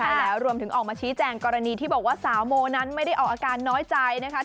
ใช่แล้วรวมถึงออกมาชี้แจงกรณีที่บอกว่าสาวโมนั้นไม่ได้ออกอาการน้อยใจนะคะ